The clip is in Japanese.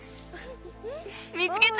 見つけた！